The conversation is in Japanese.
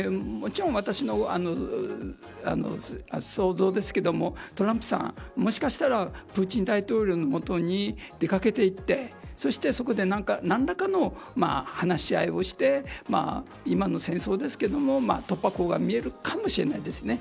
もちろん私の想像ですけれどもトランプさん、もしかしたらプーチン大統領のもとに出掛けていってそして、そこで何らかの話し合いをして今の戦争ですけれども突破口が見えるかもしれませんね。